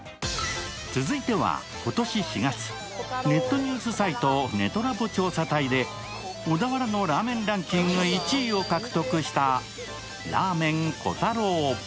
続いては今年４月、ネットニュースサイト、ねとらぼ調査隊で小田原のラーメンランキング１位を獲得した、らあめんコタロー。